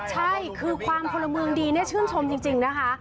ใช่คือความพลมึงดีชื่นชมจริงนะคะ